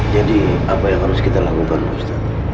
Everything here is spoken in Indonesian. jadi apa yang harus kita lakukan ustaz